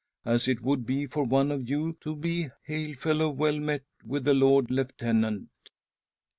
as it would be for one of you two to be hail fellow well met with the Lord Lieutenant.